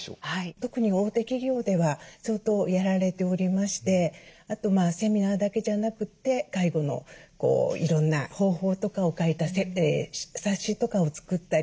特に大手企業では相当やられておりましてあとセミナーだけじゃなくて介護のいろんな方法とかを書いた冊子とかを作ったり。